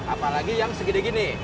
apalagi yang segede gini